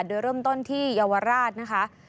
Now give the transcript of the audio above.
โดยเริ่มต้นที่เยาวราชนะคะ